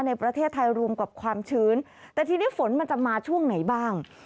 ในประเทศไทยรวมกับความชื้นแต่ทีนี้ฝนมันจะมาช่วงไหนบ้าง